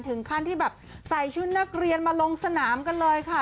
ถึงขั้นที่แบบใส่ชุดนักเรียนมาลงสนามกันเลยค่ะ